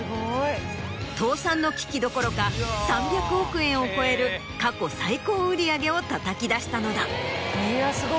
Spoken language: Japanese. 倒産の危機どころか３００億円を超える過去最高売り上げをたたき出したのだ。